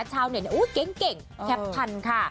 ชาวเนียนอุ๊ยเก่งแคปทันค่ะ